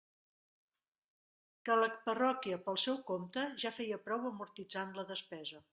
Que la parròquia, pel seu compte, ja feia prou amortitzant la despesa.